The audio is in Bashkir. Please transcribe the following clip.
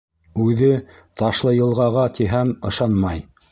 Үҙе, Ташлыйылғаға, тиһәм ышанмай.